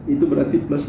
itu berarti plus enam